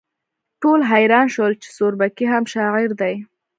ټول حیران شول چې سوربګی هم شاعر دی